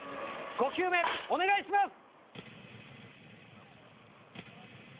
５球目お願いします。